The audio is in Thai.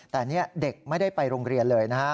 แต่เด็กไม่ได้ไปโรงเรียนเลย